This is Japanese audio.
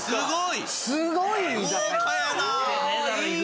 すごい！